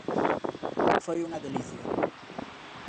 Foi unha delicia.